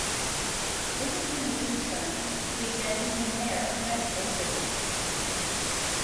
In between the two terms, he again became mayor of Mexico City.